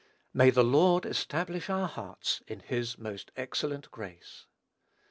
May the Lord establish our hearts in his own most excellent grace!